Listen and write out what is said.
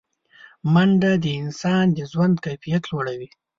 منډه د انسان د ژوند کیفیت لوړوي